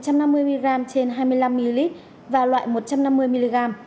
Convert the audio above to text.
một trăm năm mươi mg trên hai mươi năm ml và loại một trăm năm mươi mg